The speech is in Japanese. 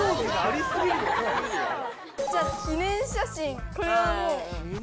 じゃ記念写真これはもう。